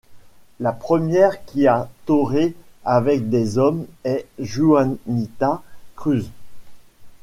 La première qui a toréé avec des hommes est Juanita Cruz.